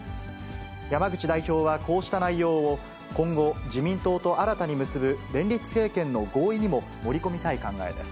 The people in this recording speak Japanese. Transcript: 山口代表はこうした内容を今後、自民党と新たに結ぶ連立政権の合意にも盛り込みたい考えです。